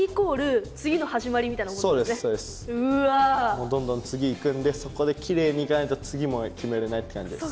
もうどんどん次いくんでそこできれいにいかないと次も決めれないって感じです。